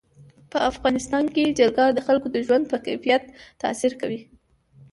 په افغانستان کې جلګه د خلکو د ژوند په کیفیت تاثیر کوي.